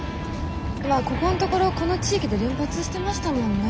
まあここんところこの地域で連発してましたもんね。